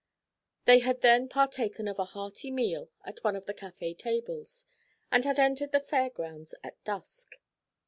They had then partaken of a hearty meal at one of the café tables, and had entered the Fair grounds at dusk.